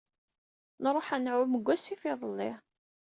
Nruḥ ad nɛumm deg wasif iḍelli.